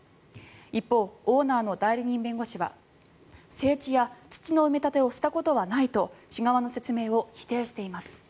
一方、オーナーの代理人弁護士は整地や土の埋め立てをしたことはないと市側の説明を否定しています。